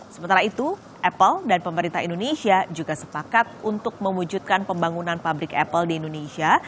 sementara itu apple dan pemerintah indonesia juga sepakat untuk mewujudkan pembangunan pabrik apple di indonesia